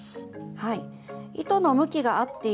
はい。